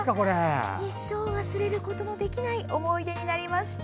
一生忘れることのできない思い出になりました。